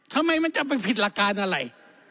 ทำไมมันจะไปผิดหลักการอะไร